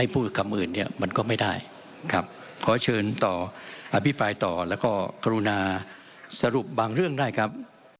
อภิษภายต่อและก็คุณาสรุปบางเรื่องได้ครับ